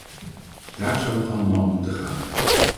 Daar zou het allemaal om moeten gaan.